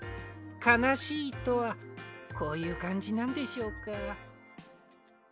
かなしいとはこういうかんじなんでしょうか。